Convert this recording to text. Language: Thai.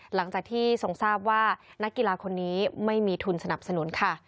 หลังจากที่ทรงทราบว่านักกีฬาคนนี้ไม่มีทุนสนับสนุนค่ะ